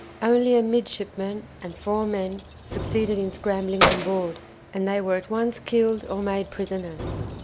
Only a midshipman and four men succeeded in scrambling on board, and they were at once killed or made prisoners.